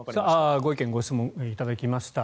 ご意見・ご質問頂きました。